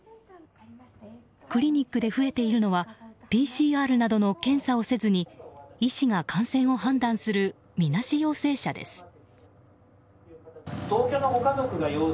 クリニックで増えているのはＰＣＲなどの検査をせずに医師が感染を判断するみなし陽性者です。